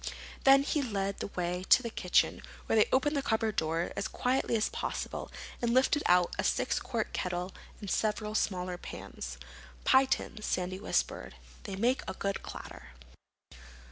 Then he led the way to the kitchen where they opened the cupboard door as quietly as possible and lifted out a six quart kettle and several smaller pans. "Pie tins," Sandy whispered. "They make a good clatter."